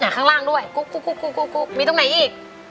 ข้างล่างด้วยกุ๊กมีตรงไหนอีก